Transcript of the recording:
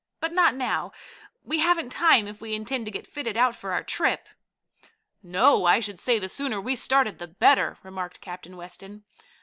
"But not now. We haven't time, if we intend to get fitted out for our trip." "No; I should say the sooner we started the better," remarked Captain Weston.